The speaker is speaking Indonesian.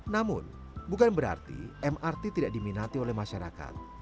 namun bukan berarti mrt tidak diminati oleh masyarakat